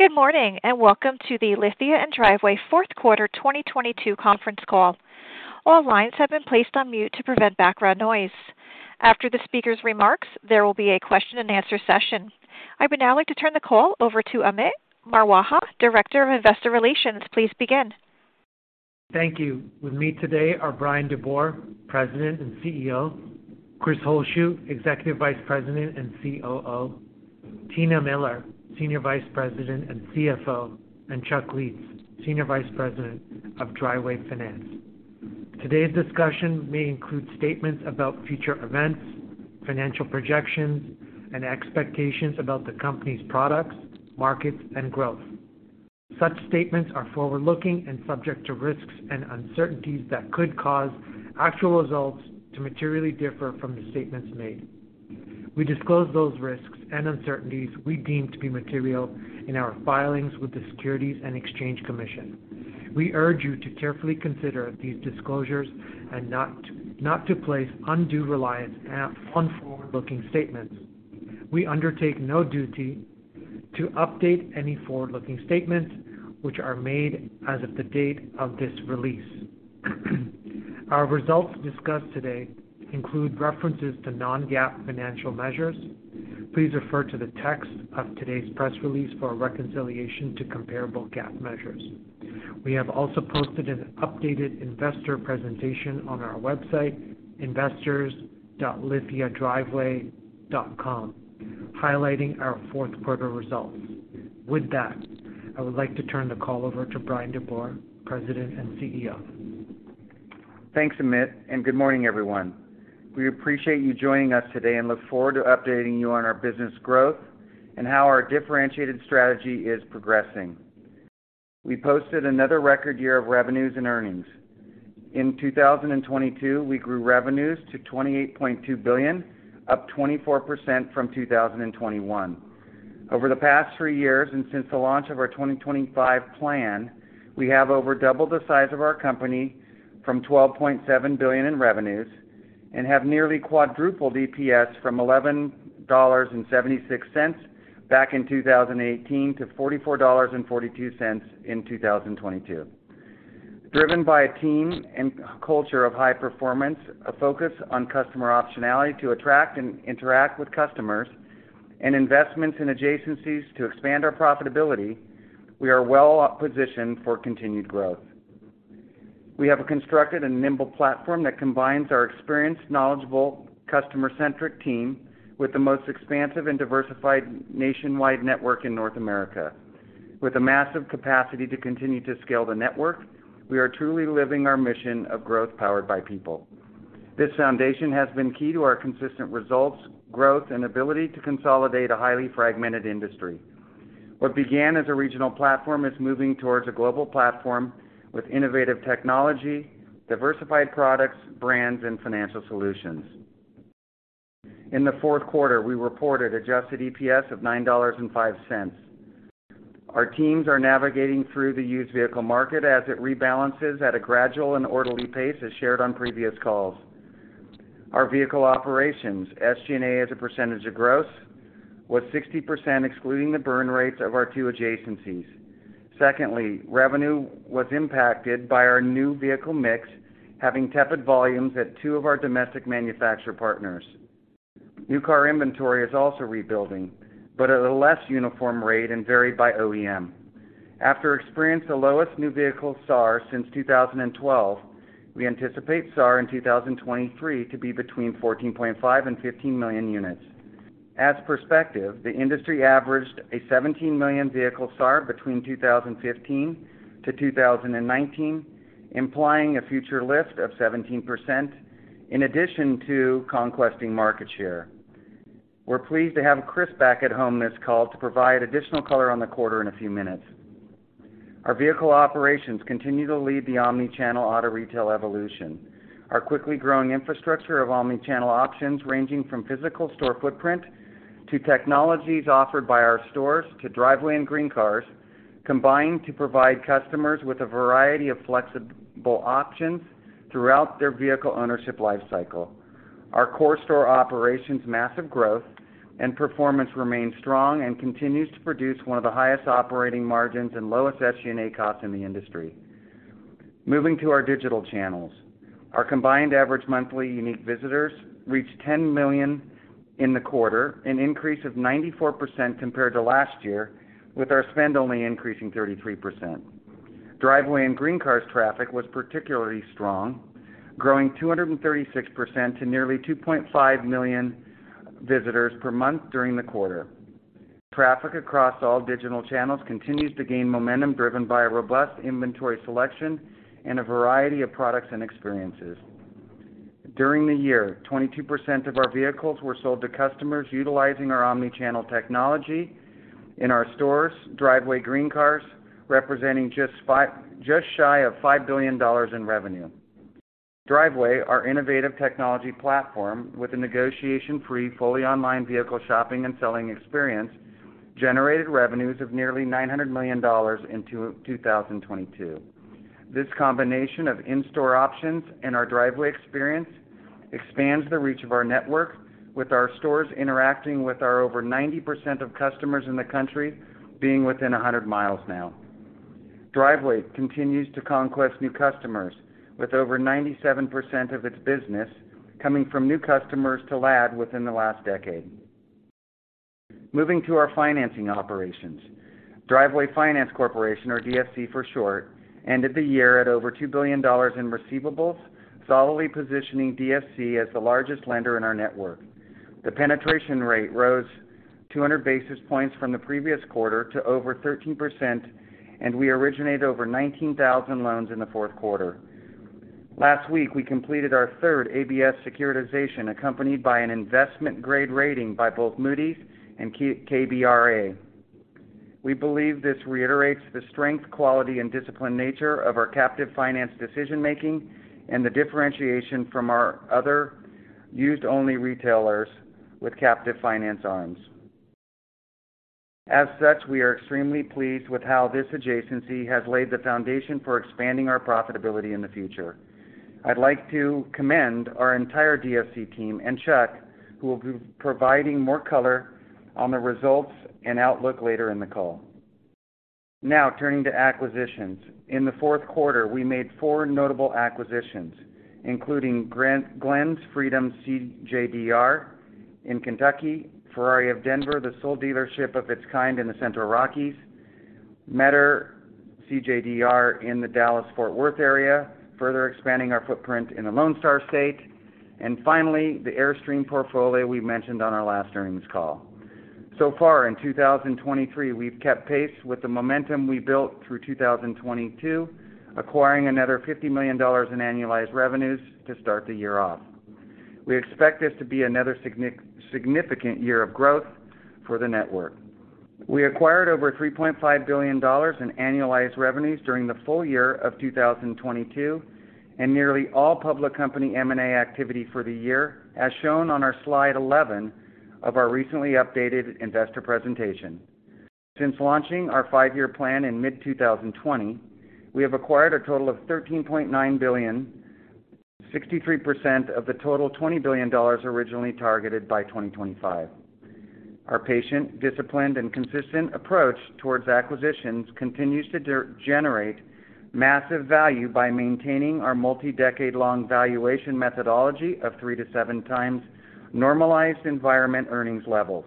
Good morning. Welcome to the Lithia & Driveway Q4 2022 conference call. All lines have been placed on mute to prevent background noise. After the speaker's remarks, there will be a question-and-answer session. I would now like to turn the call over to Amit Marwaha, Director of Investor Relations. Please begin. Thank you. With me today are Bryan DeBoer, President and CEO, Chris Holzshu, Executive Vice President and COO, Tina Miller, Senior Vice President and CFO, and Chuck Lietz, Senior Vice President of Driveway Finance. Today's discussion may include statements about future events, financial projections, and expectations about the company's products, markets, and growth. Such statements are forward-looking and subject to risks and uncertainties that could cause actual results to materially differ from the statements made. We disclose those risks and uncertainties we deem to be material in our filings with the Securities and Exchange Commission. We urge you to carefully consider these disclosures and not to place undue reliance on forward-looking statements. We undertake no duty to update any forward-looking statements which are made as of the date of this release. Our results discussed today include references to non-GAAP financial measures. Please refer to the text of today's press release for a reconciliation to comparable GAAP measures. We have also posted an updated investor presentation on our website, investors.lithiadriveway.com, highlighting our Q4 results. With that, I would like to turn the call over to Bryan DeBoer, President and CEO. Thanks, Amit, and good morning, everyone. We appreciate you joining us today and look forward to updating you on our business growth and how our differentiated strategy is progressing. We posted another record year of revenues and earnings. In 2022, we grew revenues to $28.2 billion, up 24% from 2021. Over the past 3 years, and since the launch of our 2025 plan, we have over doubled the size of our company from $12.7 billion in revenues and have nearly quadrupled EPS from $11.76 back in 2018 to $44.42 in 2022. Driven by a team and culture of high performance, a focus on customer optionality to attract and interact with customers, and investments in adjacencies to expand our profitability, we are well positioned for continued growth. We have constructed a nimble platform that combines our experienced, knowledgeable, customer-centric team with the most expansive and diversified nationwide network in North America. With a massive capacity to continue to scale the network, we are truly living our mission of growth powered by people. This foundation has been key to our consistent results, growth, and ability to consolidate a highly fragmented industry. What began as a regional platform is moving towards a global platform with innovative technology, diversified products, brands, and financial solutions. In the Q4, we reported adjusted EPS of $9.05. Our teams are navigating through the used vehicle market as it rebalances at a gradual and orderly pace, as shared on previous calls. Our vehicle operations, SG&A as a percentage of gross, was 60%, excluding the burn rates of our 2 adjacencies. Secondly, revenue was impacted by our new vehicle mix, having tepid volumes at 2 of our domestic manufacturer partners. New car inventory is also rebuilding, but at a less uniform rate and varied by OEM. After experiencing the lowest new vehicle SAAR since 2012, we anticipate SAAR in 2023 to be between 14.5 million and 15 million units. As perspective, the industry averaged a 17 million vehicle SAAR between 2015 to 2019, implying a future lift of 17% in addition to conquesting market share. We're pleased to have Chris back at home this call to provide additional color on the quarter in a few minutes. Our vehicle operations continue to lead the omni-channel auto retail evolution. Our quickly growing infrastructure of omni-channel options, ranging from physical store footprint to technologies offered by our stores to Driveway and GreenCars, combine to provide customers with a variety of flexible options throughout their vehicle ownership life cycle. Our core store operations' massive growth and performance remains strong and continues to produce 1 of the highest operating margins and lowest SG&A costs in the industry. Moving to our digital channels, our combined average monthly unique visitors reached 10 million in the quarter, an increase of 94% compared to last year, with our spend only increasing 33%. Driveway and GreenCars' traffic was particularly strong, growing 236% to nearly 2.5 million visitors per month during the quarter. Traffic across all digital channels continues to gain momentum, driven by a robust inventory selection and a variety of products and experiences. During the year, 22% of our vehicles were sold to customers utilizing our omni-channel technology in our stores, Driveway, GreenCars, representing just shy of $5 billion in revenue. Driveway, our innovative technology platform with a negotiation-free, fully online vehicle shopping and selling experience, generated revenues of nearly $900 million in 2022. This combination of in-store options and our Driveway experience expands the reach of our network with our stores interacting with over 90% of customers in the country being within 100 miles now. Driveway continues to conquest new customers with over 97% of its business coming from new customers to LAD within the last decade. Moving to our financing operations. Driveway Finance Corporation, or DFC for short, ended the year at over $2 billion in receivables, solidly positioning DFC as the largest lender in our network. The penetration rate rose 200 basis points from the previous quarter to over 13%, we originated over 19,000 loans in the Q4. Last week, we completed our 3rd ABS securitization, accompanied by an investment-grade rating by both Moody's and KBRA. We believe this reiterates the strength, quality and disciplined nature of our captive finance decision-making and the differentiation from our other used-only retailers with captive finance arms. As such, we are extremely pleased with how this adjacency has laid the foundation for expanding our profitability in the future. I'd like to commend our entire DFC team and Chuck, who will be providing more color on the results and outlook later in the call. Turning to acquisitions. In the Q4, we made 4 notable acquisitions, including Glenn's Freedom CJDR in Kentucky, Ferrari of Denver, the sole dealership of its kind in the Central Rockies, Meador CJDR in the Dallas-Fort Worth area, further expanding our footprint in the Lone Star State, and finally, the Airstream portfolio we mentioned on our last earnings call. Far in 2023, we've kept pace with the momentum we built through 2022, acquiring another $50 million in annualized revenues to start the year off. We expect this to be another significant year of growth for the network. We acquired over $3.5 billion in annualized revenues during the full year of 2022, and nearly all public company M&A activity for the year, as shown on our slide 11 of our recently updated investor presentation. Since launching our 5-year plan in mid-2020, we have acquired a total of $13.9 billion, 63% of the total $20 billion originally targeted by 2025. Our patient, disciplined, and consistent approach towards acquisitions continues to generate massive value by maintaining our multi-decade long valuation methodology of 3-7x normalized environment earnings levels.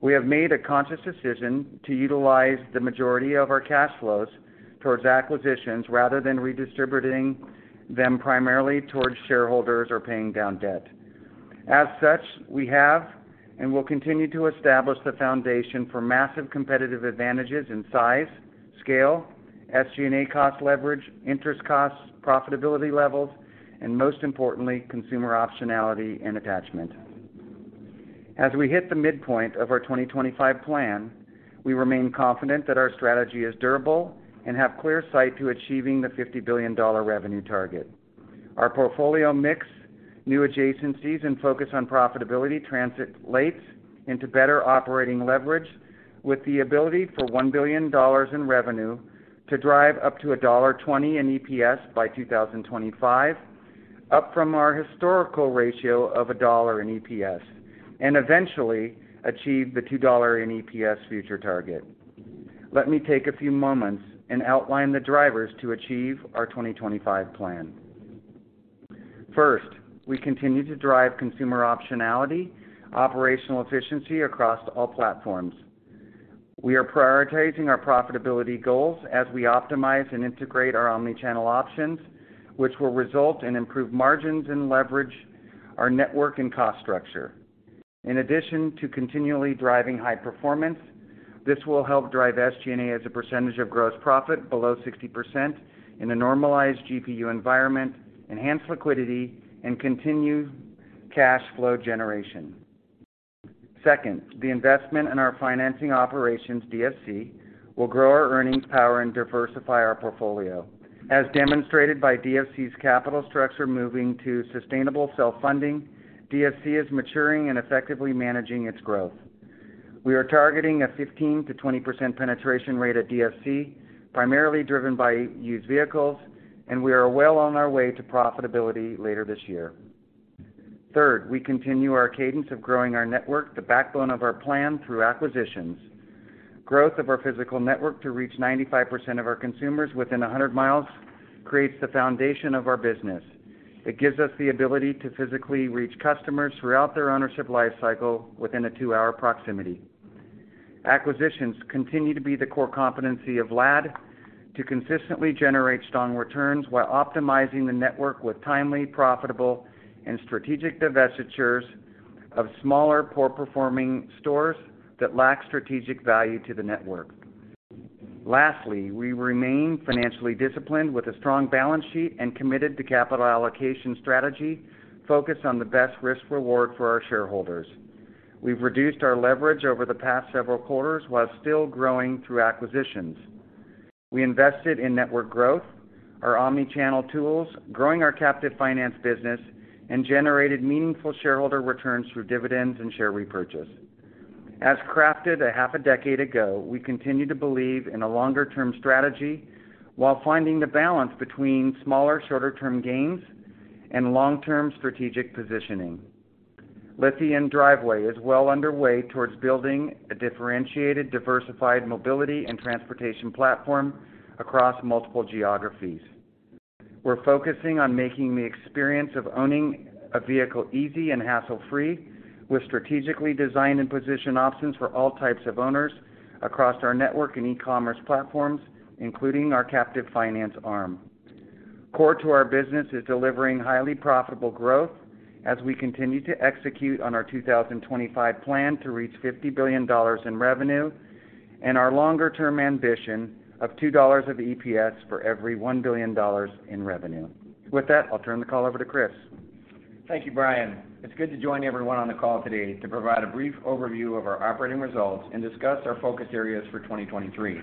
We have made a conscious decision to utilize the majority of our cash flows towards acquisitions rather than redistributing them primarily towards shareholders or paying down debt. As such, we have and will continue to establish the foundation for massive competitive advantages in size, scale, SG&A cost leverage, interest costs, profitability levels, and most importantly, consumer optionality and attachment. As we hit the midpoint of our 2025 plan, we remain confident that our strategy is durable and have clear sight to achieving the $50 billion revenue target. Our portfolio mix, new adjacencies, and focus on profitability translates into better operating leverage with the ability for $1 billion in revenue to drive up to $1.20 in EPS by 2025, up from our historical ratio of $1 in EPS, and eventually achieve the $2 in EPS future target. Let me take a few moments and outline the drivers to achieve our 2025 plan. 1st, we continue to drive consumer optionality, operational efficiency across all platforms. We are prioritizing our profitability goals as we optimize and integrate our omni-channel options, which will result in improved margins and leverage our network and cost structure. In addition to continually driving high performance, this will help drive SG&A as a percentage of gross profit below 60% in a normalized GPU environment, enhance liquidity, and continue cash flow generation. 2nd, the investment in our financing operations, DFC, will grow our earnings power and diversify our portfolio. As demonstrated by DFC's capital structure moving to sustainable self-funding, DFC is maturing and effectively managing its growth. We are targeting a 15%-20% penetration rate at DFC, primarily driven by used vehicles, and we are well on our way to profitability later this year. 3rd, we continue our cadence of growing our network, the backbone of our plan through acquisitions. Growth of our physical network to reach 95% of our consumers within 100 miles creates the foundation of our business. It gives us the ability to physically reach customers throughout their ownership life cycle within a 2-hour proximity. Acquisitions continue to be the core competency of LAD to consistently generate strong returns while optimizing the network with timely, profitable, and strategic divestitures of smaller poor performing stores that lack strategic value to the network. Lastly, we remain financially disciplined with a strong balance sheet and committed to capital allocation strategy focused on the best risk-reward for our shareholders. We've reduced our leverage over the past several quarters while still growing through acquisitions. We invested in network growth, our omni-channel tools, growing our captive finance business, and generated meaningful shareholder returns through dividends and share repurchase. As crafted a half a decade ago, we continue to believe in a longer-term strategy while finding the balance between smaller, shorter-term gains and long-term strategic positioning. Lithia and Driveway is well underway towards building a differentiated, diversified mobility and transportation platform across multiple geographies. We're focusing on making the experience of owning a vehicle easy and hassle-free, with strategically designed and positioned options for all types of owners across our network and e-commerce platforms, including our captive finance arm. Core to our business is delivering highly profitable growth as we continue to execute on our 2025 plan to reach $50 billion in revenue and our longer-term ambition of $2 of EPS for every $1 billion in revenue. With that, I'll turn the call over to Chris. Thank you, Bryan. It's good to join everyone on the call today to provide a brief overview of our operating results and discuss our focus areas for 2023.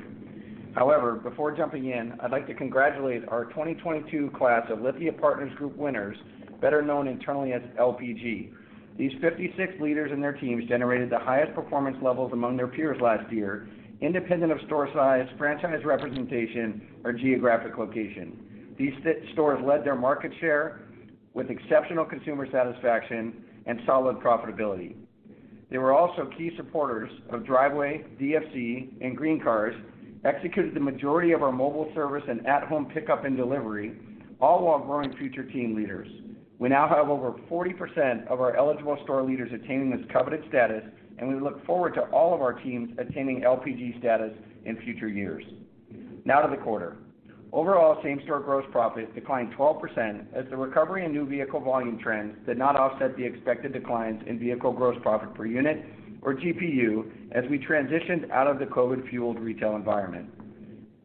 Before jumping in, I'd like to congratulate our 2022 class of Lithia Partners Group winners, better known internally as LPG. These 56 leaders and their teams generated the highest performance levels among their peers last year, independent of store size, franchise representation, or geographic location. These stores led their market share with exceptional consumer satisfaction and solid profitability. They were also key supporters of Driveway, DFC and GreenCars, executed the majority of our mobile service and at-home pickup and delivery, all while growing future team leaders. We now have over 40% of our eligible store leaders attaining this coveted status, and we look forward to all of our teams attaining LPG status in future years. Now to the quarter. Overall, same-store gross profit declined 12% as the recovery in new vehicle volume trends did not offset the expected declines in vehicle gross profit per unit or GPU as we transitioned out of the COVID-fueled retail environment.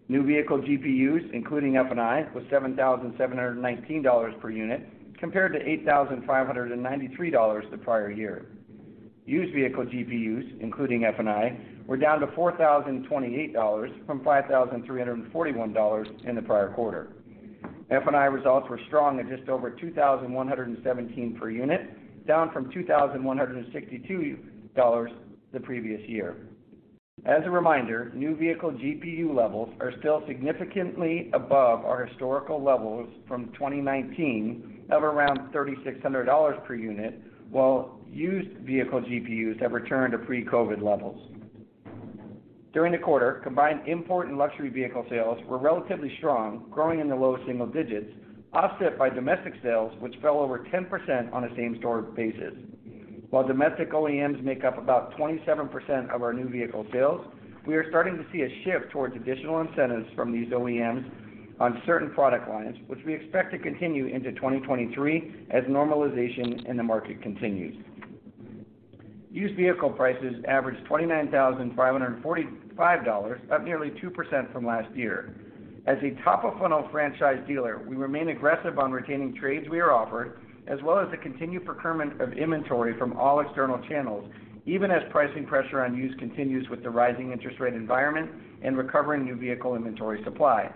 New vehicle GPUs, including F&I, was $7,719 per unit, compared to $8,593 the prior year. Used vehicle GPUs, including F&I, were down to $4,028 from $5,341 in the prior quarter. F&I results were strong at just over $2,117 per unit, down from $2,162 the previous year. As a reminder, new vehicle GPU levels are still significantly above our historical levels from 2019 of around $3,600 per unit, while used vehicle GPUs have returned to pre-COVID levels. During the quarter, combined import and luxury vehicle sales were relatively strong, growing in the low single digits, offset by domestic sales, which fell over 10% on a same-store basis. While domestic OEMs make up about 27% of our new vehicle sales, we are starting to see a shift towards additional incentives from these OEMs on certain product lines, which we expect to continue into 2023 as normalization in the market continues. Used vehicle prices averaged $29,545, up nearly 2% from last year. As a top-of-funnel franchise dealer, we remain aggressive on retaining trades we are offered, as well as the continued procurement of inventory from all external channels, even as pricing pressure on used continues with the rising interest rate environment and recovering new vehicle inventory supply.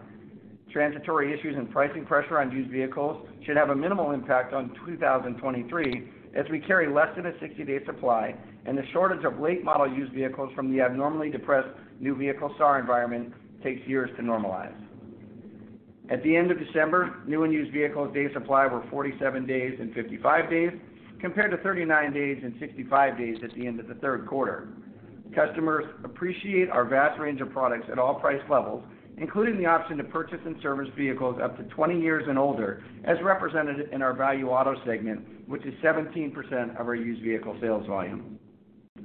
Transitory issues and pricing pressure on used vehicles should have a minimal impact on 2023 as we carry less than a 60-day supply and the shortage of late-model used vehicles from the abnormally depressed new vehicle SAAR environment takes years to normalize. At the end of December, new and used vehicle day supply were 47 days and 55 days, compared to 39 days and 65 days at the end of the Q3. Customers appreciate our vast range of products at all price levels, including the option to purchase and service vehicles up to 20 years and older, as represented in our Value Auto segment, which is 17% of our used vehicle sales volume.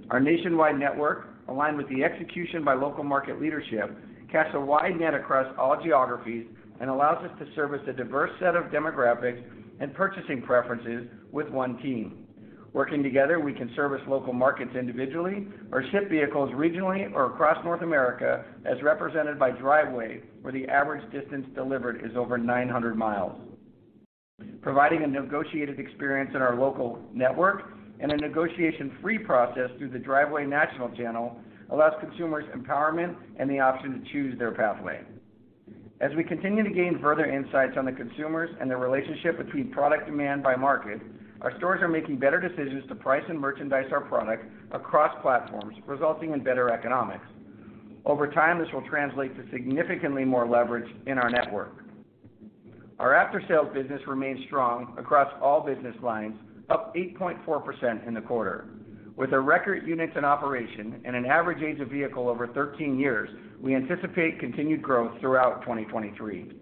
Our nationwide network, aligned with the execution by local market leadership, casts a wide net across all geographies and allows us to service a diverse set of demographics and purchasing preferences with 1 team. Working together, we can service local markets individually or ship vehicles regionally or across North America, as represented by Driveway, where the average distance delivered is over 900 miles. Providing a negotiated experience in our local network and a negotiation-free process through the Driveway national channel allows consumers empowerment and the option to choose their pathway. As we continue to gain further insights on the consumers and the relationship between product demand by market, our stores are making better decisions to price and merchandise our product across platforms, resulting in better economics. Over time, this will translate to significantly more leverage in our network. Our after-sale business remains strong across all business lines, up 8.4% in the quarter. With our record units in operation and an average age of vehicle over 13 years, we anticipate continued growth throughout 2023.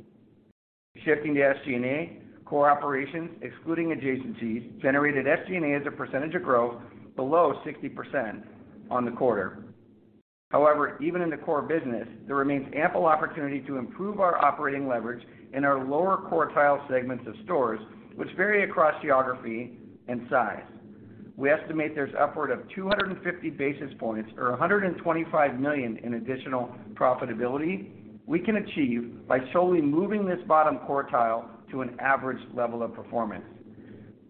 Shifting to SG&A, core operations, excluding adjacencies, generated SG&A as a percentage of growth below 60% on the quarter. However, even in the core business, there remains ample opportunity to improve our operating leverage in our lower quartile segments of stores, which vary across geography and size. We estimate there's upward of 250 basis points or $125 million in additional profitability we can achieve by solely moving this bottom quartile to an average level of performance.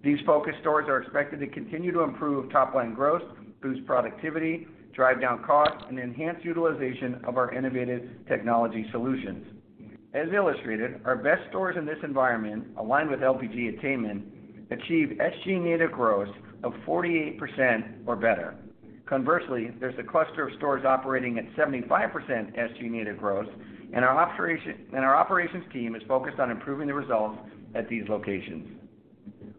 These focus stores are expected to continue to improve top-line growth, boost productivity, drive down costs, and enhance utilization of our innovative technology solutions. As illustrated, our best stores in this environment, aligned with LPG attainment, achieve SG&A gross of 48% or better. There's a cluster of stores operating at 75% SG&A growth, and our operations team is focused on improving the results at these locations.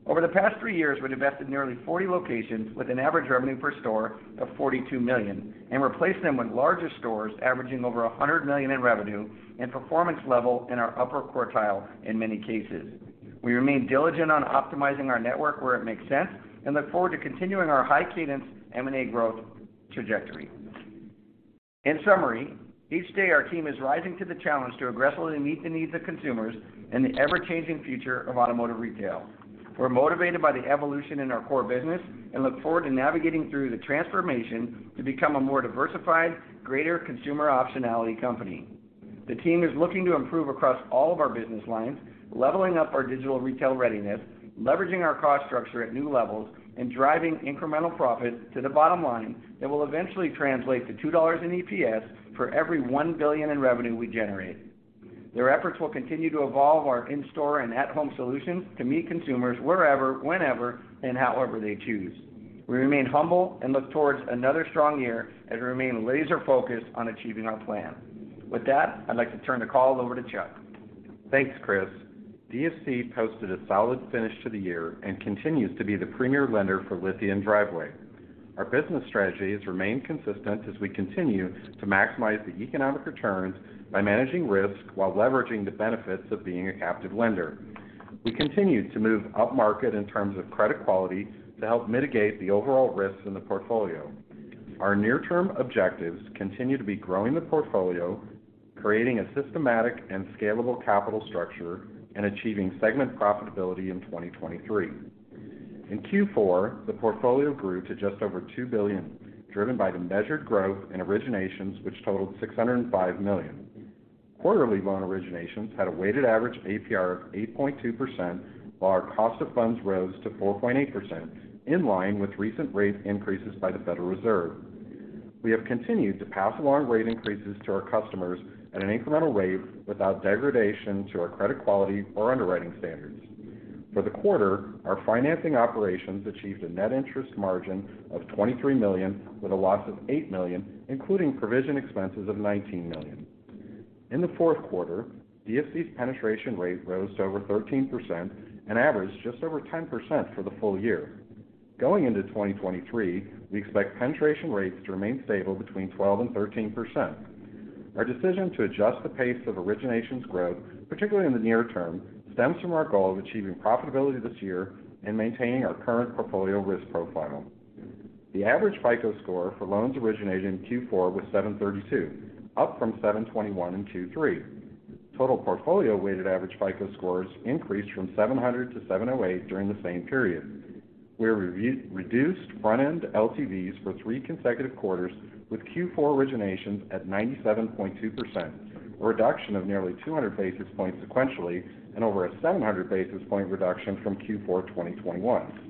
Over the past 3 years, we've divested nearly 40 locations with an average revenue per store of $42 million, and replaced them with larger stores averaging over $100 million in revenue and performance level in our upper quartile in many cases. We remain diligent on optimizing our network where it makes sense, and look forward to continuing our high cadence M&A growth trajectory. In summary, each day our team is rising to the challenge to aggressively meet the needs of consumers in the ever-changing future of automotive retail. We're motivated by the evolution in our core business and look forward to navigating through the transformation to become a more diversified, greater consumer optionality company. The team is looking to improve across all of our business lines, leveling up our digital retail readiness, leveraging our cost structure at new levels, and driving incremental profit to the bottom line that will eventually translate to $2 in EPS for every $1 billion in revenue we generate. Their efforts will continue to evolve our in-store and at-home solutions to meet consumers wherever, whenever, and however they choose. We remain humble and look towards another strong year as we remain laser-focused on achieving our plan. With that, I'd like to turn the call over to Chuck. Thanks, Chris. DFC posted a solid finish to the year and continues to be the premier lender for Lithia Driveway. Our business strategies remain consistent as we continue to maximize the economic returns by managing risks while leveraging the benefits of being a captive lender. We continue to move upmarket in terms of credit quality to help mitigate the overall risks in the portfolio. Our near-term objectives continue to be growing the portfolio, creating a systematic and scalable capital structure, and achieving segment profitability in 2023. In Q4, the portfolio grew to just over $2 billion, driven by the measured growth in originations, which totaled $605 million. Quarterly loan originations had a weighted average APR of 8.2%, while our cost of funds rose to 4.8%, in line with recent rate increases by the Federal Reserve. We have continued to pass along rate increases to our customers at an incremental rate without degradation to our credit quality or underwriting standards. For the quarter, our financing operations achieved a net interest margin of $23 million with a loss of $8 million, including provision expenses of $19 million. In the Q4, DFC's penetration rate rose to over 13% and averaged just over 10% for the full year. Going into 2023, we expect penetration rates to remain stable between 12% and 13%. Our decision to adjust the pace of originations growth, particularly in the near term, stems from our goal of achieving profitability this year and maintaining our current portfolio risk profile. The average FICO score for loans originated in Q4 was 732, up from 721 in Q3. Total portfolio weighted average FICO scores increased from 700 to 708 during the same period. We reduced front-end LTVs for 3 consecutive quarters with Q4 originations at 97.2%, a reduction of nearly 200 basis points sequentially and over a 700 basis point reduction from Q4 2021.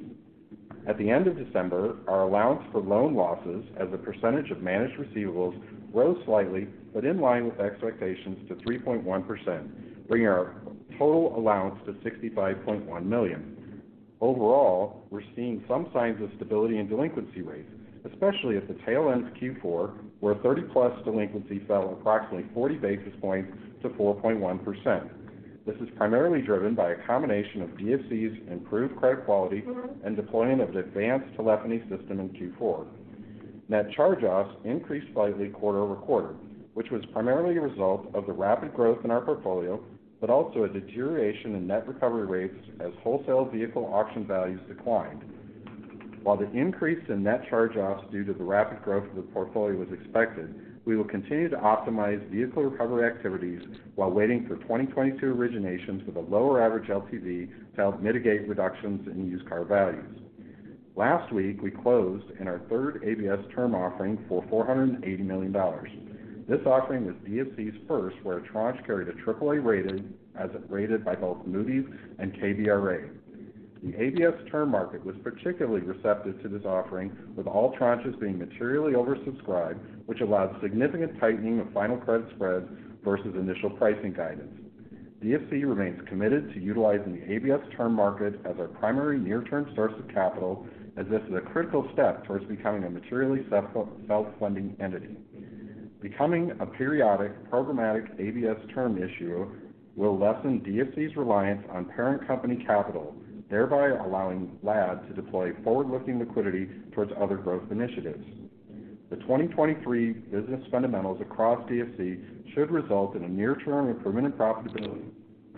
At the end of December, our allowance for loan losses as a percentage of managed receivables rose slightly, but in line with expectations to 3.1%, bringing our total allowance to $65.1 million. Overall, we're seeing some signs of stability in delinquency rates, especially at the tail end of Q4, where 30+ delinquency fell approximately 40 basis points to 4.1%. This is primarily driven by a combination of DFC's improved credit quality and deploying of an advanced telephony system in Q4. Net charge-offs increased slightly quarter-over-quarter, which was primarily a result of the rapid growth in our portfolio, but also a deterioration in net recovery rates as wholesale vehicle auction values declined. While the increase in net charge-offs due to the rapid growth of the portfolio was expected, we will continue to optimize vehicle recovery activities while waiting for 2022 originations with a lower average LTV to help mitigate reductions in used car values. Last week, we closed in our 3rd ABS term offering for $480 million. This offering was DFC's first where a tranche carried a AAA rating as rated by both Moody's and KBRA. The ABS term market was particularly receptive to this offering, with all tranches being materially oversubscribed, which allowed significant tightening of final credit spreads versus initial pricing guidance. DFC remains committed to utilizing the ABS term market as our primary near-term source of capital, as this is a critical step towards becoming a materially self-funding entity. Becoming a periodic programmatic ABS term issuer will lessen DFC's reliance on parent company capital, thereby allowing LAD to deploy forward-looking liquidity towards other growth initiatives. The 2023 business fundamentals across DFC should result in a near-term improvement in profitability.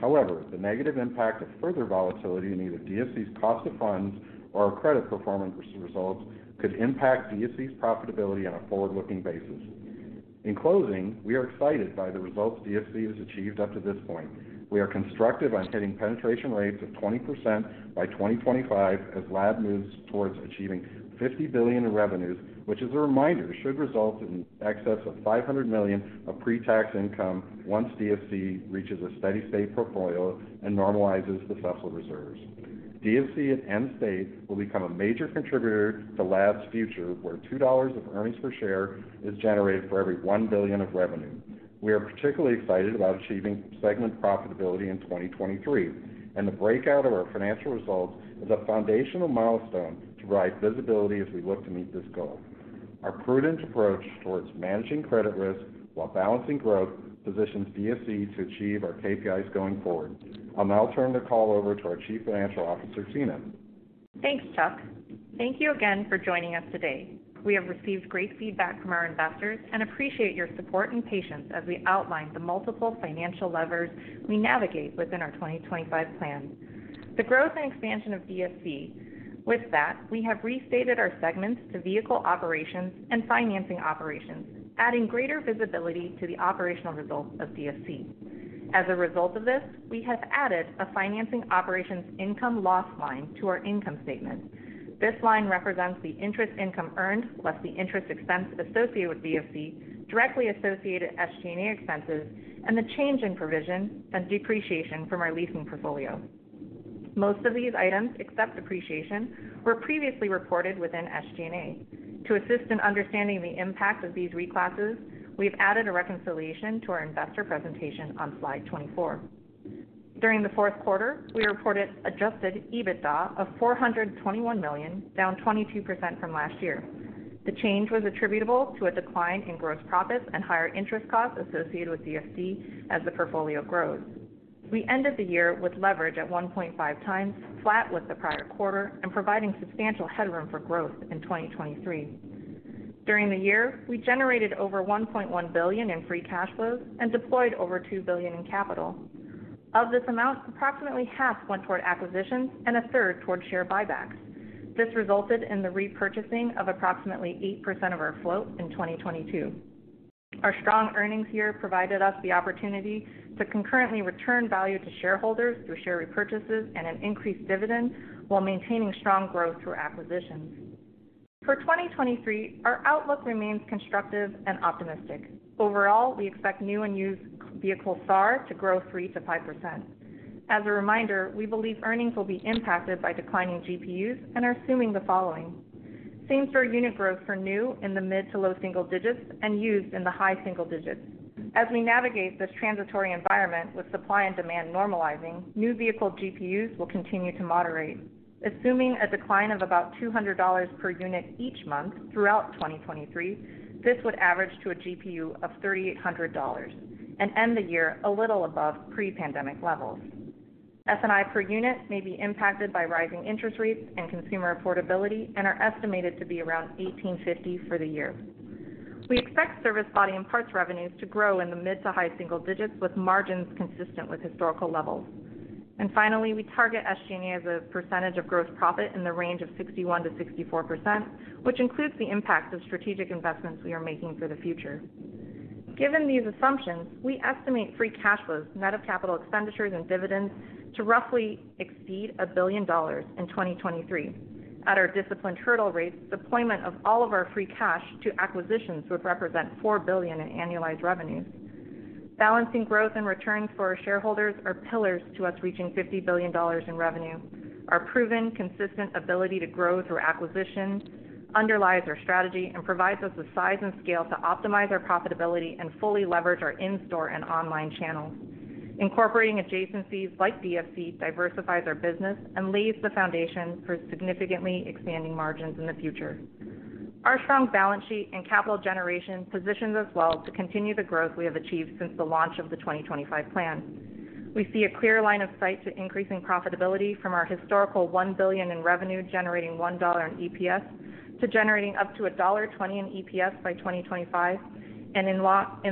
However, the negative impact of further volatility in either DFC's cost of funds or our credit performance results could impact DFC's profitability on a forward-looking basis. In closing, we are excited by the results DFC has achieved up to this point. We are constructive on hitting penetration rates of 20% by 2025 as LAD moves towards achieving $50 billion in revenues, which as a reminder, should result in excess of $500 million of pre-tax income once DFC reaches a steady state portfolio and normalizes the CECL reserves. DFC at end state will become a major contributor to LAD's future, where $2 of earnings per share is generated for every $1 billion of revenue. We are particularly excited about achieving segment profitability in 2023, and the breakout of our financial results is a foundational milestone to drive visibility as we look to meet this goal. Our prudent approach towards managing credit risk while balancing growth positions DFC to achieve our KPIs going forward. I'll now turn the call over to our Chief Financial Officer, Tina. Thanks, Chuck. Thank you again for joining us today. We have received great feedback from our investors and appreciate your support and patience as we outline the multiple financial levers we navigate within our 2025 plan. The growth and expansion of DFC. We have restated our segments to vehicle operations and financing operations, adding greater visibility to the operational results of DFC. As a result of this, we have added a financing operations income loss line to our income statement. This line represents the interest income earned, plus the interest expense associated with DFC, directly associated SG&A expenses, and the change in provision and depreciation from our leasing portfolio. Most of these items, except depreciation, were previously reported within SG&A. To assist in understanding the impact of these reclasses, we've added a reconciliation to our investor presentation on slide 24. During the Q4, we reported adjusted EBITDA of $421 million, down 22% from last year. The change was attributable to a decline in gross profits and higher interest costs associated with DFC as the portfolio grows. We ended the year with leverage at 1.5x, flat with the prior quarter, and providing substantial headroom for growth in 2023. During the year, we generated over $1.1 billion in free cash flow and deployed over $2 billion in capital. Of this amount, approximately half went toward acquisitions and a 3rd towards share buybacks. This resulted in the repurchasing of approximately 8% of our float in 2022. Our strong earnings year provided us the opportunity to concurrently return value to shareholders through share repurchases and an increased dividend while maintaining strong growth through acquisitions. For 2023, our outlook remains constructive and optimistic. Overall, we expect new and used vehicle SAAR to grow 3%-5%. As a reminder, we believe earnings will be impacted by declining GPUs and are assuming the following: same store unit growth for new in the mid to low single digits and used in the high single digits. As we navigate this transitory environment with supply and demand normalizing, new vehicle GPUs will continue to moderate. Assuming a decline of about $200 per unit each month throughout 2023, this would average to a GPU of $3,800 and end the year a little above pre-pandemic levels. F&I per unit may be impacted by rising interest rates and consumer affordability and are estimated to be around $1,850 for the year. We expect service body and parts revenues to grow in the mid to high single digits, with margins consistent with historical levels. Finally, we target SG&A as a percentage of gross profit in the range of 61%-64%, which includes the impact of strategic investments we are making for the future. Given these assumptions, we estimate free cash flows net of capital expenditures and dividends to roughly exceed $1 billion in 2023. At our disciplined hurdle rates, deployment of all of our free cash to acquisitions would represent $4 billion in annualized revenues. Balancing growth and returns for our shareholders are pillars to us reaching $50 billion in revenue. Our proven, consistent ability to grow through acquisition underlies our strategy and provides us the size and scale to optimize our profitability and fully leverage our in-store and online channels. Incorporating adjacencies like DFC diversifies our business and lays the foundation for significantly expanding margins in the future. Our strong balance sheet and capital generation positions us well to continue the growth we have achieved since the launch of the 2025 plan. We see a clear line of sight to increasing profitability from our historical $1 billion in revenue, generating $1 in EPS to generating up to $1.20 in EPS by 2025, and in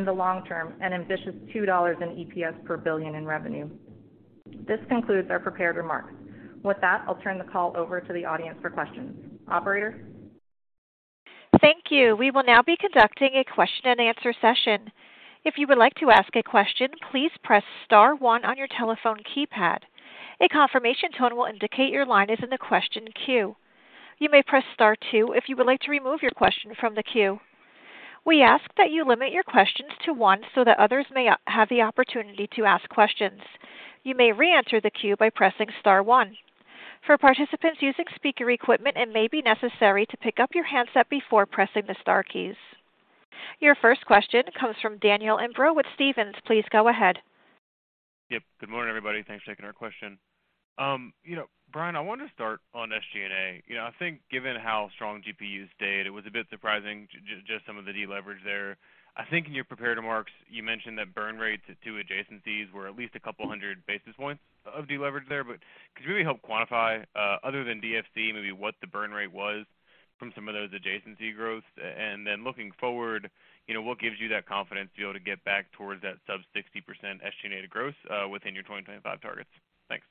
the long term, an ambitious $2 in EPS per billion in revenue. This concludes our prepared remarks. With that, I'll turn the call over to the audience for questions. Operator? Thank you. We will now be conducting a question and answer session. If you would like to ask a question, please press * 1 on your telephone keypad. A confirmation tone will indicate your line is in the question queue. You may press * 2 if you would like to remove your question from the queue. We ask that you limit your questions to one so that others may have the opportunity to ask questions. You may re-enter the queue by pressing * 1. For participants using speaker equipment, it may be necessary to pick up your handset before pressing the star keys. Your 1st question comes from Daniel Imbro with Stephens. Please go ahead. Yep, good morning, everybody. Thanks for taking our question. You know, Bryan, I wanted to start on SG&A. You know, I think given how strong GPU stayed, it was a bit surprising just some of the deleverage there. I think in your prepared remarks, you mentioned that burn rates at 2 adjacencies were at least a couple of 100 basis points of deleverage there. Could you maybe help quantify, other than DFC, maybe what the burn rate was from some of those adjacency growth? Looking forward, you know, what gives you that confidence to be able to get back towards that sub 60% SG&A to growth within your 2025 targets? Thanks.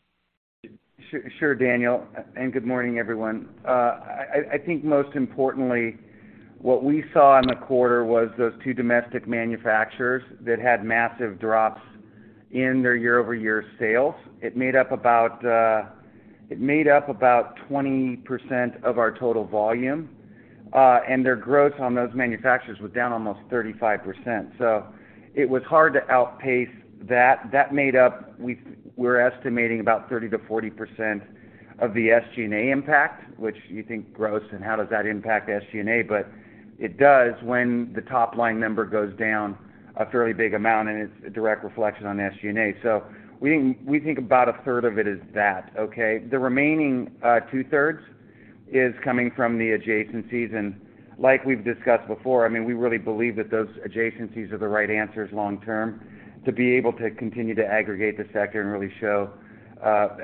Sure, Daniel. Good morning, everyone. I think most importantly, what we saw in the quarter was those 2 domestic manufacturers that had massive drops in their year-over-year sales. It made up about. It made up about 20% of our total volume, and their gross on those manufacturers was down almost 35%. It was hard to outpace that. That made up, we're estimating about 30%-40% of the SG&A impact, which you think gross, and how does that impact SG&A? It does when the top line number goes down a fairly big amount, and it's a direct reflection on SG&A. We think about a 3rd of it is that, okay. The remaining 2/3 is coming from the adjacencies. Like we've discussed before, I mean, we really believe that those adjacencies are the right answers long term to be able to continue to aggregate the sector and really show,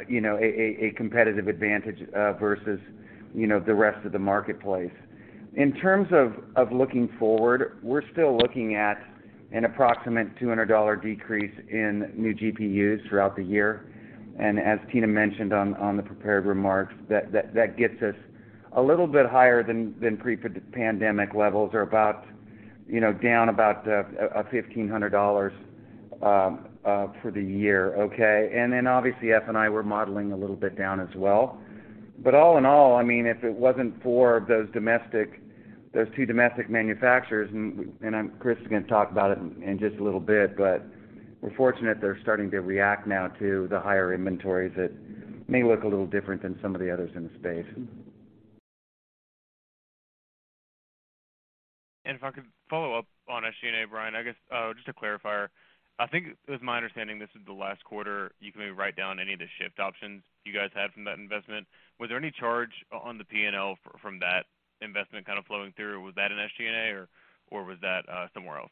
you know, a, a competitive advantage versus, you know, the rest of the marketplace. In terms of looking forward, we're still looking at an approximate $200 decrease in new GPUs throughout the year. As Tina mentioned on the prepared remarks, that gets us a little bit higher than pre-pandemic levels or about, you know, down about $1,500 for the year. Okay? Obviously, F&I, we're modeling a little bit down as well. All in all, I mean, if it wasn't for those 2 domestic manufacturers, Chris is gonna talk about it in just a little bit, but we're fortunate they're starting to react now to the higher inventories that may look a little different than some of the others in the space. If I could follow up on SG&A, Bryan. I guess just to clarify, I think it was my understanding this is the last quarter you can maybe write down any of the Shift options you guys had from that investment. Was there any charge on the P&L from that investment kind of flowing through? Was that an SG&A or was that somewhere else?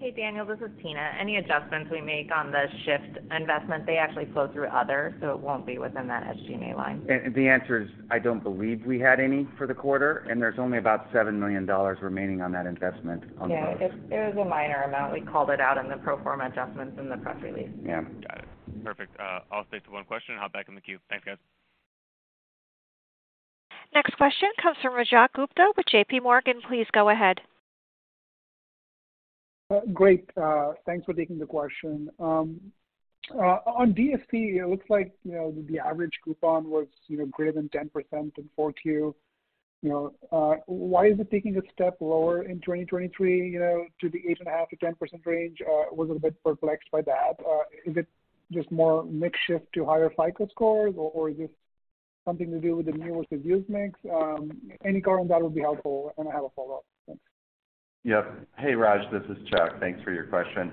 Hey, Daniel, this is Tina. Any adjustments we make on the Shift investment, they actually flow through other, so it won't be within that SG&A line. The answer is I don't believe we had any for the quarter, and there's only about $7 million remaining on that investment on the books. It was a minor amount. We called it out in the pro forma adjustments in the press release. Yeah. Got it. Perfect. I'll stick to 1 question and hop back in the queue. Thanks, guys. Next question comes from Rajat Gupta with J.P. Morgan. Please go ahead. Great. Thanks for taking the question. On DFC, it looks like, you know, the average coupon was, you know, greater than 10% in 4Q. You know, why is it taking a step lower in 2023, you know, to the 8.5%-10% range? Was a bit perplexed by that. Is it just more mix shift to higher FICO scores or is this something to do with the newer reviews mix? Any comment that would be helpful, and I have a follow-up. Thanks. Yep. Hey, Raj, this is Chuck. Thanks for your question.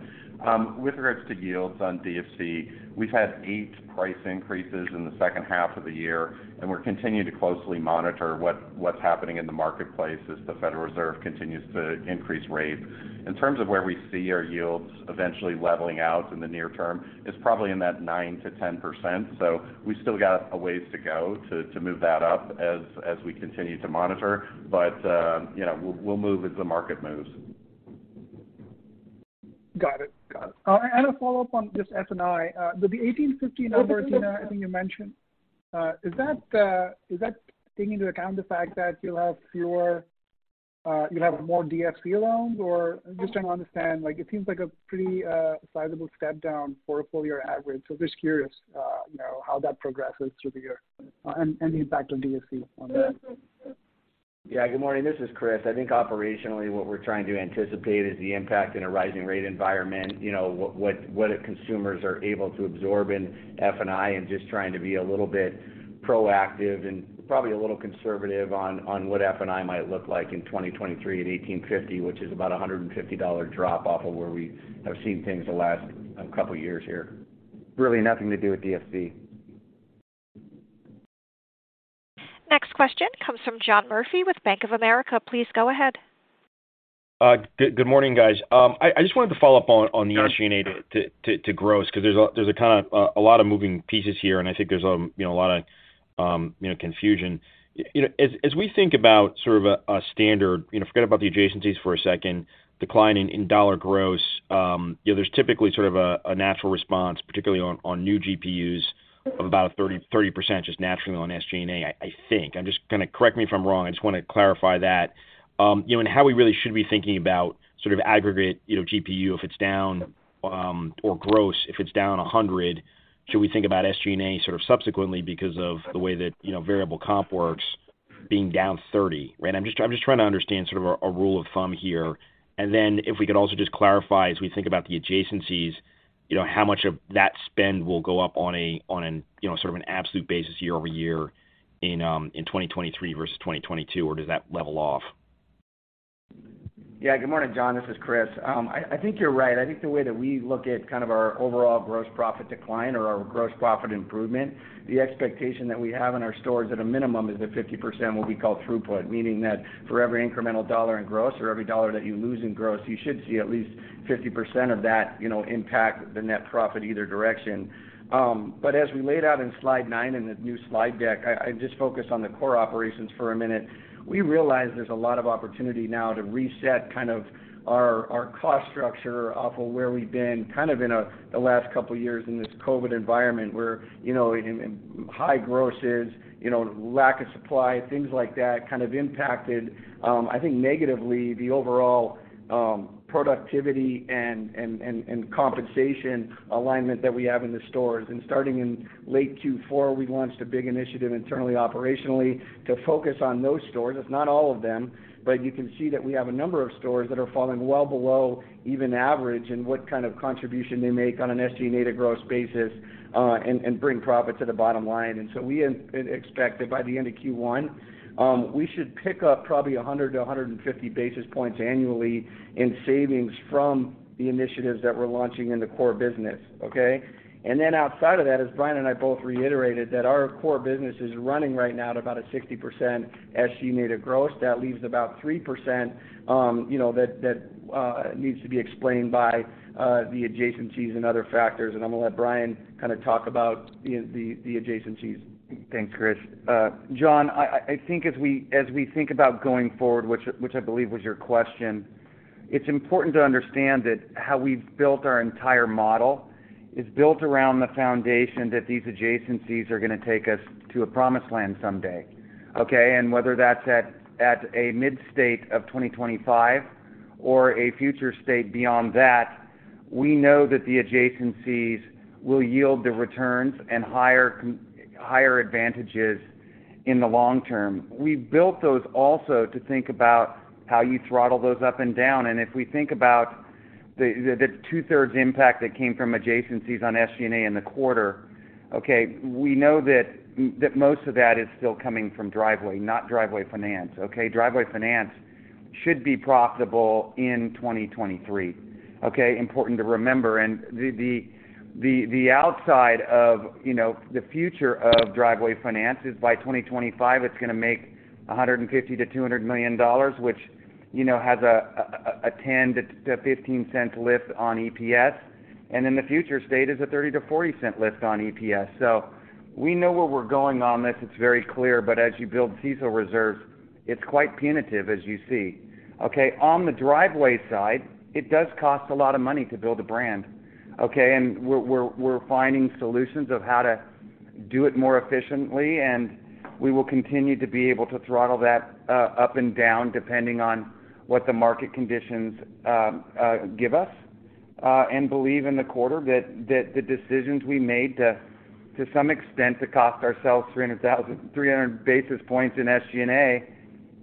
With regards to yields on DFC, we've had 8 price increases in the H2 of the year, and we're continuing to closely monitor what's happening in the marketplace as the Federal Reserve continues to increase rate. In terms of where we see our yields eventually leveling out in the near term is probably in that 9%-10%. We still got a ways to go to move that up as we continue to monitor. you know, we'll move as the market moves. Got it. Got it. A follow-up on just F&I. The $1,850 number, Tina, I think you mentioned, is that taking into account the fact that you'll have more DFC loans, or I'm just trying to understand, like it seems like a pretty sizable step down for a full year average. Just curious, you know, how that progresses through the year, and the impact on DFC on that. Good morning. This is Chris. I think operationally, what we're trying to anticipate is the impact in a rising rate environment, you know, what consumers are able to absorb in F&I and just trying to be a little bit proactive and probably a little conservative on what F&I might look like in 2023 at $1,850, which is about a $150 drop off of where we have seen things the last couple of years here. Really nothing to do with DFC. Next question comes from John Murphy with Bank of America. Please go ahead. Good morning, guys. I just wanted to follow up on the SG&A to gross, 'cause there's a kinda a lot of moving pieces here, and I think there's, you know, a lot of, you know, confusion. You know, as we think about sort of a standard, you know, forget about the adjacencies for a 2nd, decline in dollar gross, you know, there's typically sort of a natural response, particularly on new GPUs of about 30% just naturally on SG&A, I think. Correct me if I'm wrong. I just wanna clarify that. You know, how we really should be thinking about sort of aggregate, you know, GPU, if it's down, or gross, if it's down $100, should we think about SG&A sort of subsequently because of the way that, you know, variable comp works being down $30, right? I'm just trying to understand sort of a rule of thumb here. If we could also just clarify as we think about the adjacencies, you know, how much of that spend will go up on a, you know, sort of an absolute basis year-over-year in 2023 versus 2022, or does that level off? Good morning, John. This is Chris. I think you're right. I think the way that we look at kind of our overall gross profit decline or our gross profit improvement, the expectation that we have in our stores at a minimum is that 50% will be called throughput, meaning that for every incremental dollar in gross or every dollar that you lose in gross, you should see at least 50% of that, you know, impact the net profit either direction. As we laid out in slide 9 in the new slide deck, I just focused on the core operations for a minute. We realize there's a lot of opportunity now to reset kind of our cost structure off of where we've been kind of in the last couple of years in this COVID environment, where, you know, in high grosses, you know, lack of supply, things like that kind of impacted, I think negatively the overall productivity and compensation alignment that we have in the stores. Starting in late Q4, we launched a big initiative internally, operationally to focus on those stores. It's not all of them, but you can see that we have a number of stores that are falling well below even average in what kind of contribution they make on an SG&A to gross basis and bring profit to the bottom line. We expect that by the end of Q1, we should pick up probably 100 to 150 basis points annually in savings from the initiatives that we're launching in the core business. Okay. Outside of that, as Bryan and I both reiterated, that our core business is running right now at about a 60% SG&A to gross. That leaves about 3%, you know, that needs to be explained by the adjacencies and other factors. I'm gonna let Bryan kind of talk about the adjacencies. Thanks, Chris. John, I think as we think about going forward, which I believe was your question, it's important to understand that how we've built our entire model is built around the foundation that these adjacencies are gonna take us to a promised land someday, okay? Whether that's at a mid state of 2025 or a future state beyond that, we know that the adjacencies will yield the returns and higher advantages in the long term. We built those also to think about how you throttle those up and down. If we think about the 2/3 impact that came from adjacencies on SG&A in the quarter, okay, we know that most of that is still coming from Driveway, not Driveway Finance. Okay? Driveway Finance should be profitable in 2023, okay? Important to remember. The outside of, you know, the future of Driveway Finance is by 2025, it's gonna make $150 million to $200 million, which, you know, has a $0.10-$0.15 lift on EPS. The future state is a $0.30-$0.40 lift on EPS. We know where we're going on this. It's very clear. As you build CECL reserves, it's quite punitive, as you see. Okay, on the Driveway side, it does cost a lot of money to build a brand, okay? We're finding solutions of how to do it more efficiently, and we will continue to be able to throttle that up and down, depending on what the market conditions give us. Believe in the quarter that the decisions we made to some extent to cost ourselves 300 basis points in SG&A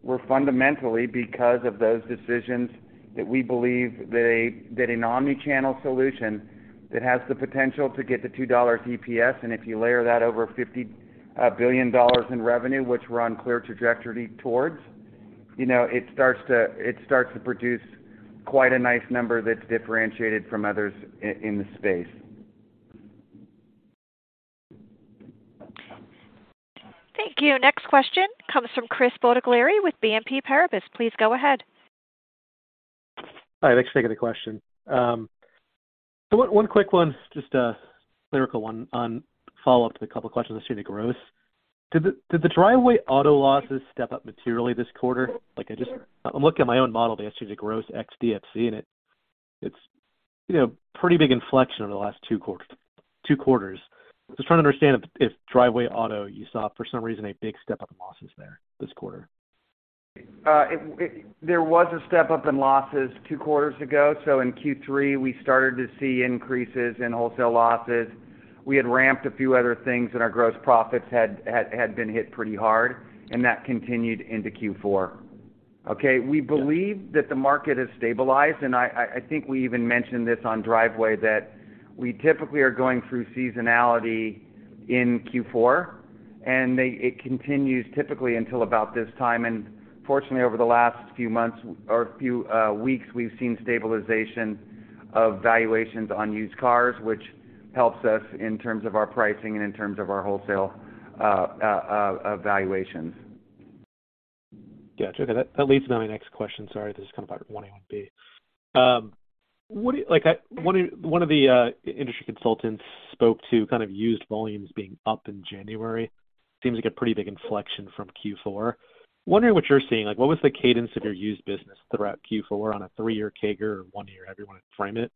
were fundamentally because of those decisions that we believe that an omni-channel solution that has the potential to get to $2 EPS. If you layer that over $50 billion in revenue, which we're on clear trajectory towards, you know, it starts to produce quite a nice number that's differentiated from others in the space. Thank you. Next question comes from Chris Bottiglieri with BNP Paribas. Please go ahead. Hi. Thanks for taking the question. 1 quick one, just a clerical 1 on follow-up to the couple questions on SG&A gross. Did the Driveway auto losses step up materially this quarter? Like I'm looking at my own model of the SG&A gross xDFC, and it's, you know, pretty big inflection over the last 2 quarters. Just trying to understand if Driveway auto, you saw, for some reason, a big step up in losses there this quarter. There was a step-up in losses 2 quarters ago. In Q3, we started to see increases in wholesale losses. We had ramped a few other things and our gross profits had been hit pretty hard, and that continued into Q4. Okay? Yeah. We believe that the market has stabilized, and I think we even mentioned this on Driveway, that we typically are going through seasonality in Q4, and it continues typically until about this time. Fortunately, over the last few months or few weeks, we've seen stabilization of valuations on used cars, which helps us in terms of our pricing and in terms of our wholesale valuations. Gotcha. Okay. That, that leads to my next question. Sorry, this is kind of part 1 and 1B. 1 of the industry consultants spoke to kind of used volumes being up in January. Seems like a pretty big inflection from Q4. Wondering what you're seeing. Like, what was the cadence of your used business throughout Q4 on a 3-year CAGR or 1 year, however you want to frame it?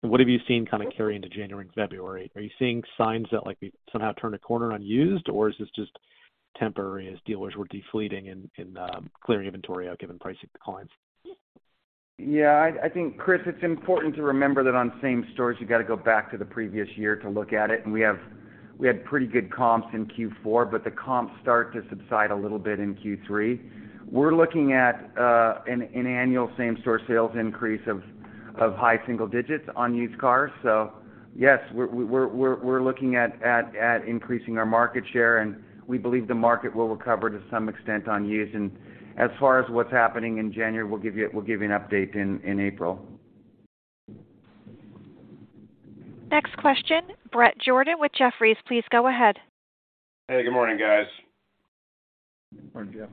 What have you seen kind of carry into January and February? Are you seeing signs that, like, we've somehow turned a corner on used, or is this just temporary as dealers were defleeting and clearing inventory out given pricing declines? I think, Chris, it's important to remember that on same stores, you gotta go back to the previous year to look at it. We had pretty good comps in Q4. The comps start to subside a little bit in Q3. We're looking at an annual same store sales increase of Of high single digits on used cars. Yes, we're looking at increasing our market share, and we believe the market will recover to some extent on used. As far as what's happening in January, we'll give you an update in April. Next question, Bret Jordan with Jefferies. Please go ahead. Hey, good morning, guys. Morning, Bret.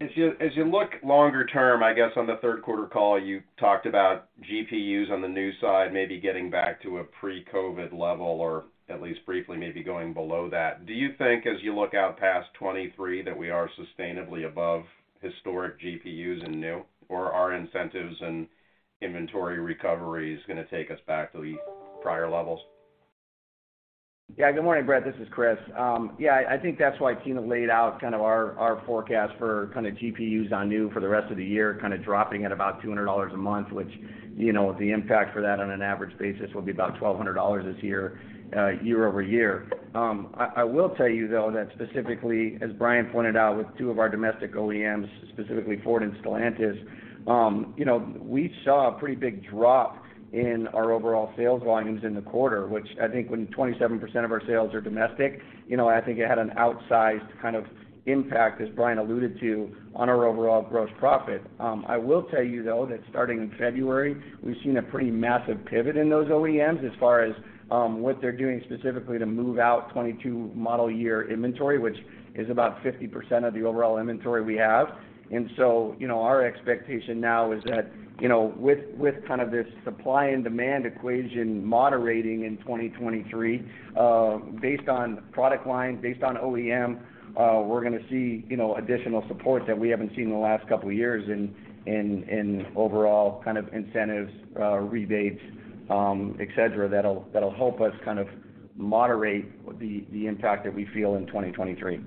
As you look longer term, I guess on the Q3 call, you talked about GPUs on the new side, maybe getting back to a pre-COVID level or at least briefly maybe going below that. Do you think as you look out past 23 that we are sustainably above historic GPUs in new, or are incentives and inventory recovery is gonna take us back to the prior levels? Good morning, Bret. This is Chris. I think that's why Tina laid out kind of our forecast for kind of GPUs on new for the rest of the year, kind of dropping at about $200 a month, which, you know, the impact for that on an average basis will be about $1,200 this year-over-year. I will tell you though that specifically, as Bryan pointed out with 2 of our domestic OEMs, specifically Ford and Stellantis, you know, we saw a pretty big drop in our overall sales volumes in the quarter, which I think when 27% of our sales are domestic, you know, I think it had an outsized kind of impact, as Bryan alluded to, on our overall gross profit. I will tell you though, that starting in February, we've seen a pretty massive pivot in those OEMs as far as what they're doing specifically to move out 2022 model year inventory which is about 50% of the overall inventory we have. You know, our expectation now is that, you know, with kind of this supply and demand equation moderating in 2023, based on product lines, based on OEM, we're gonna see, you know, additional support that we haven't seen in the last couple of years in overall kind of incentives, rebates, that'll help us kind of moderate the impact that we feel in 2023.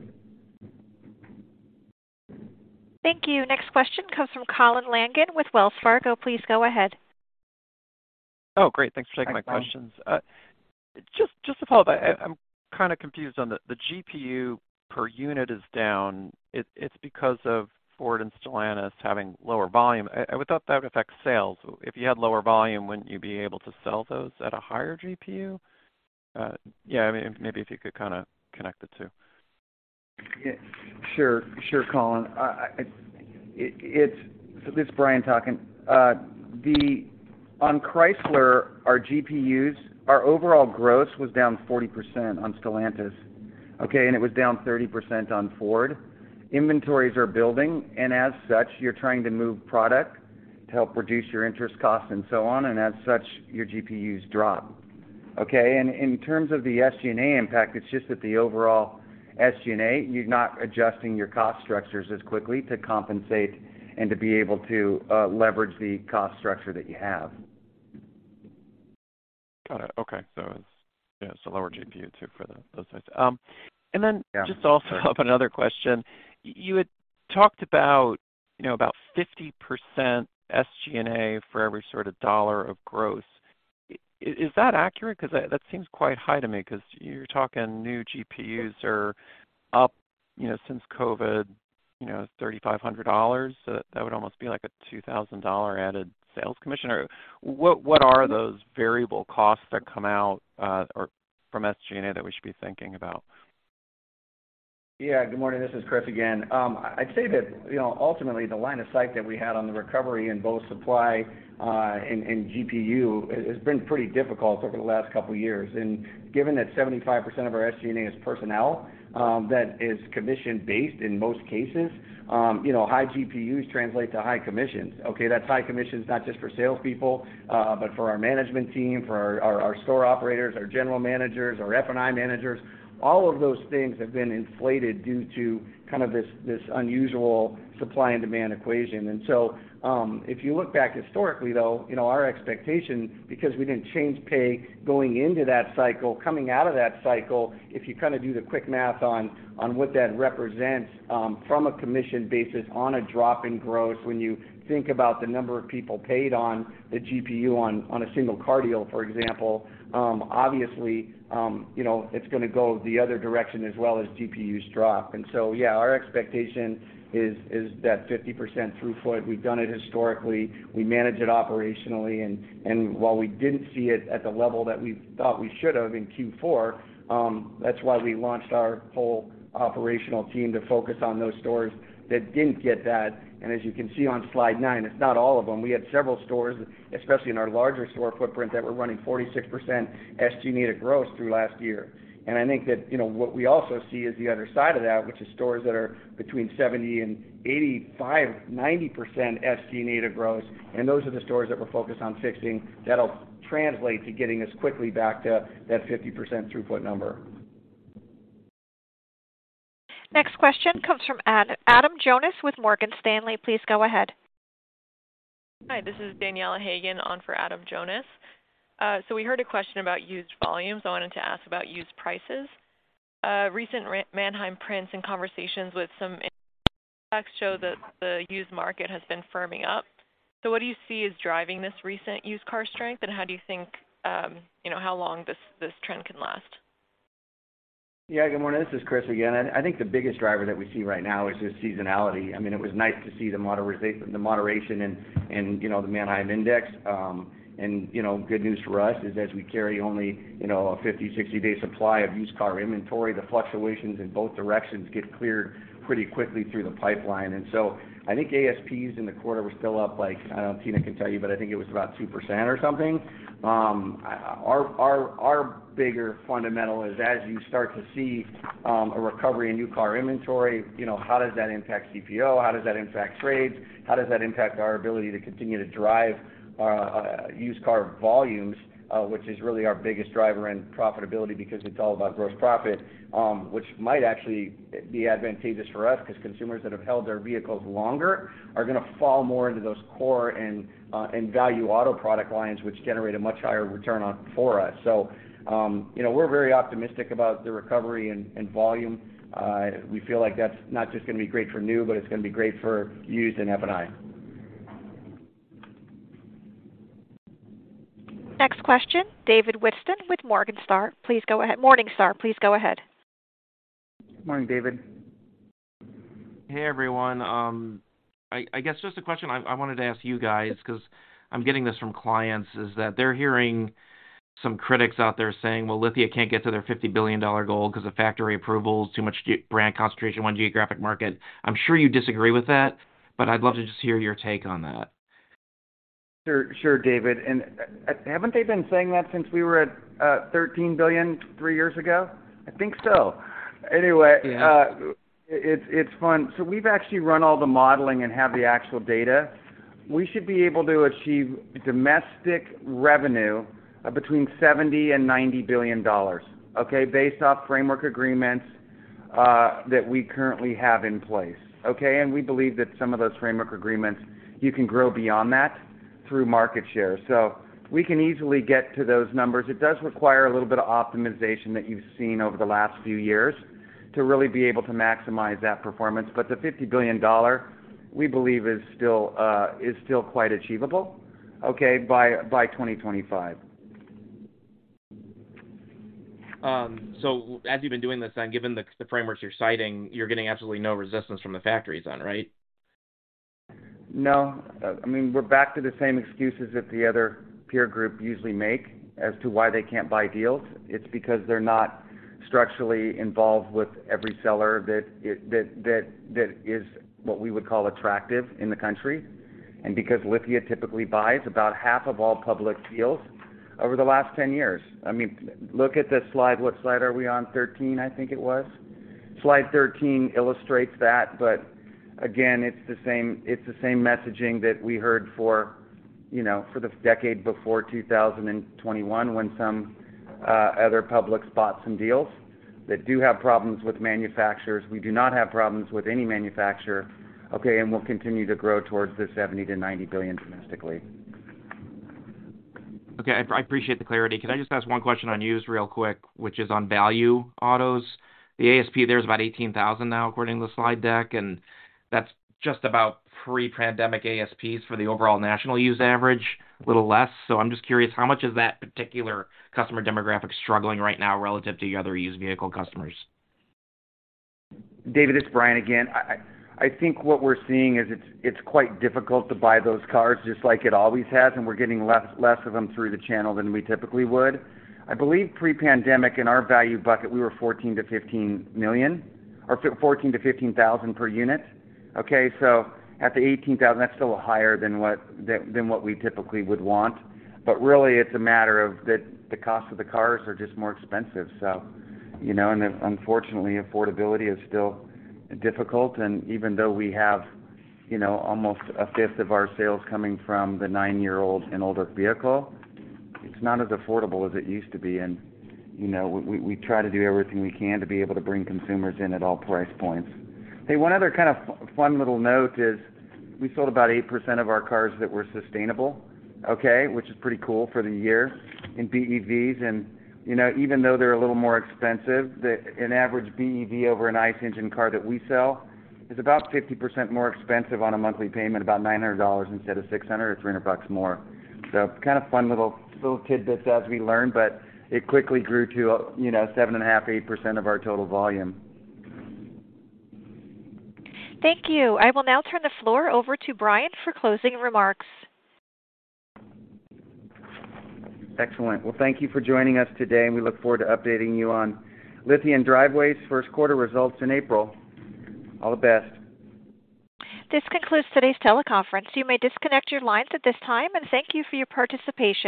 Thank you. Next question comes from Colin Langan with Wells Fargo. Please go ahead. Great. Thanks for taking my questions. Just to follow up, I'm kinda confused on the GPU per unit is down. It's because of Ford and Stellantis having lower volume. I would thought that would affect sales. If you had lower volume, wouldn't you be able to sell those at a higher GPU? I mean, maybe if you could kinda connect the 2. Sure. Sure, Colin. I, this is Bryan talking. On Chrysler, our GPUs, our overall gross was down 40% on Stellantis, okay? It was down 30% on Ford. Inventories are building, and as such, you're trying to move product to help reduce your interest costs and so on, and as such, your GPUs drop. Okay. In terms of the SG&A impact, it's just that the overall SG&A, you're not adjusting your cost structures as quickly to compensate and to be able to leverage the cost structure that you have. Got it. Okay. It's, you know, it's a lower GPU too for the those guys. Yeah. Just also up another question. You had talked about, you know, about 50% SG&A for every sort of $1 of gross. Is that accurate? 'Cause that seems quite high to me 'cause you're talking new GPUs are up, you know, since COVID, you know, $3,500. That would almost be like a $2,000 added sales commission. What are those variable costs that come out or from SG&A that we should be thinking about? Good morning. This is Chris again. I'd say that, you know, ultimately, the line of sight that we had on the recovery in both supply, and GPU has been pretty difficult over the last couple of years. Given that 75% of our SG&A is personnel, that is commission-based in most cases, you know, high GPUs translate to high commissions. Okay? That's high commissions not just for sales people, but for our management team, for our store operators, our general managers, our F&I managers. All of those things have been inflated due to kind of this unusual supply and demand equation. If you look back historically, though, you know, our expectation, because we didn't change pay going into that cycle, coming out of that cycle, if you kinda do the quick math on what that represents, from a commission basis on a drop in gross, when you think about the number of people paid on the GPU on a single car deal, for example, obviously, you know, it's gonna go the other direction as well as GPUs drop. Our expectation is that 50% throughput. We've done it historically. We manage it operationally. And while we didn't see it at the level that we thought we should have in Q4, that's why we launched our whole operational team to focus on those stores that didn't get that. As you can see on slide 9, it's not all of them. We had several stores, especially in our larger store footprint, that were running 46% SG&A to gross through last year. I think that, you know, what we also see is the other side of that, which is stores that are between 70% and 85%, 90% SG&A to gross, and those are the stores that we're focused on fixing. That'll translate to getting us quickly back to that 50% throughput number. Next question comes from Adam Jonas with Morgan Stanley. Please go ahead. Hi, this is Daniela Haigian on for Adam Jonas. We heard a question about used volumes. I wanted to ask about used prices. Recent Manheim prints and conversations with some Good morning. This is Chris again. I think the biggest driver that we see right now is just seasonality. I mean, it was nice to see the moderation in, you know, the Manheim Index. You know, good news for us is as we carry only, you know, a 50, 60-day supply of used car inventory, the fluctuations in both directions get cleared pretty quickly through the pipeline. I think ASPs in the quarter were still up, like I don't know, Tina can tell you, but I think it was about 2% or something. Our bigger fundamental is as you start to see a recovery in new car inventory, you know, how does that impact CPO? How does that impact trades? How does that impact our ability to continue to drive used car volumes, which is really our biggest driver in profitability, because it's all about gross profit, which might actually be advantageous for us because consumers that have held their vehicles longer are gonna fall more into those core and Value Auto product lines, which generate a much higher return on for us. You know, we're very optimistic about the recovery and volume. We feel like that's not just gonna be great for new, but it's gonna be great for used and F&I. Next question, David Whiston with Morningstar. Please go ahead. Morningstar, please go ahead. Morning, David. Hey, everyone. I guess just a question I wanted to ask you guys, 'cause I'm getting this from clients, is that they're hearing some critics out there saying, "Well, Lithia can't get to their $50 billion goal because of factory approvals, too much brand concentration, 1 geographic market." I'm sure you disagree with that, but I'd love to just hear your take on that. Sure, sure, David. Haven't they been saying that since we were at, $13 billion 3 years ago? I think so. Yeah. It's fun. We've actually run all the modeling and have the actual data. We should be able to achieve domestic revenue of between $70 billion and $90 billion, okay, based off framework agreements that we currently have in place, okay? We believe that some of those framework agreements, you can grow beyond that through market share. We can easily get to those numbers. It does require a little bit of optimization that you've seen over the last few years to really be able to maximize that performance. The $50 billion, we believe is still quite achievable, okay, by 2025. As you've been doing this then, given the frameworks you're citing, you're getting absolutely no resistance from the factories then, right? I mean, we're back to the same excuses that the other peer group usually make as to why they can't buy deals. It's because they're not structurally involved with every seller that that is what we would call attractive in the country. Because Lithia typically buys about half of all public deals over the last 10 years. I mean, look at this slide. What slide are we on? 13, I think it was. Slide 13 illustrates that. Again, it's the same, it's the same messaging that we heard for, you know, for the decade before 2021 when some other public spots and deals that do have problems with manufacturers. We do not have problems with any manufacturer, okay, and we'll continue to grow towards the $70 billion to $90 billion domestically. Okay. I appreciate the clarity. Can I just ask 1 question on used real quick, which is on Value Auto? The ASP there is about $18,000 now according to the slide deck, and that's just about pre-pandemic ASPs for the overall national used average, a little less. I'm just curious, how much is that particular customer demographic struggling right now relative to your other used vehicle customers? David, it's Bryan again. I think what we're seeing is it's quite difficult to buy those cars just like it always has, and we're getting less of them through the channel than we typically would. I believe pre-pandemic in our value bucket, we were $14 million to $15 million, or $14,000 to $15,000 per unit. Okay, so at the $18,000, that's still higher than what we typically would want. Really it's a matter of the cost of the cars are just more expensive. You know, and unfortunately, affordability is still difficult. Even though we have, you know, almost a 5th of our sales coming from the 9-year-old and older vehicle, it's not as affordable as it used to be. You know, we try to do everything we can to be able to bring consumers in at all price points. Hey, 1 other kind of fun little note is we sold about 8% of our cars that were sustainable, okay, which is pretty cool for the year in BEVs. You know, even though they're a little more expensive, an average BEV over an ICE engine car that we sell is about 50% more expensive on a monthly payment, about $900 instead of $600, or $300 more. Kind of fun little tidbits as we learn, but it quickly grew to, you know, 7.5%, 8% of our total volume. Thank you. I will now turn the floor over to Bryan for closing remarks. Excellent. Well, thank you for joining us today, and we look forward to updating you on Lithia & Driveway's Q1 results in April. All the best. This concludes today's teleconference. You may disconnect your lines at this time. Thank you for your participation.